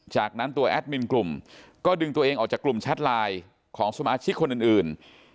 จากนั้นตัวแอดมินกลุ่มก็ดึงตัวเองออกจากกลุ่มแชทไลน์ของสมาชิกคนอื่น